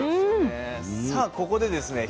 さあここでですね